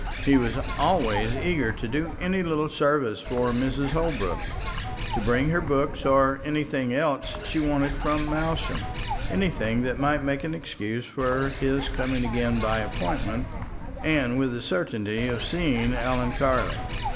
He was always eager to do any little service for Mrs. Holbrook; to bring her books or anything else she wanted from Malsham anything that might make an excuse for his coming again by appointment, and with the certainty of seeing Ellen Carley.